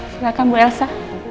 silahkan bu elsa